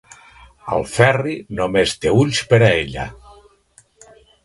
El Ferri només té ulls per a ella.